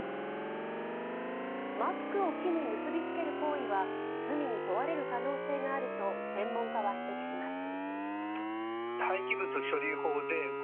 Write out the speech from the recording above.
マスクを木に結びつける行為は罪に問われる可能性があると専門家は指摘します。